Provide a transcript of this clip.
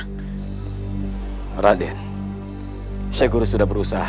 nger mailu segura sudah berusaha